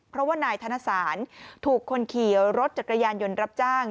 เพราะว่านายธนสารถูกคนขี่รถจักรยานยนต์รับจ้าง